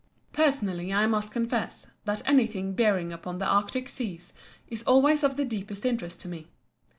Personally I must confess that anything bearing upon the Arctic Seas is always of the deepest interest to me.